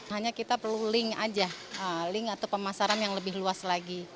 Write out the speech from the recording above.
hanya kita perlu link aja link atau pemasaran yang lebih luas lagi